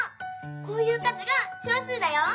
こういう数が小数だよ。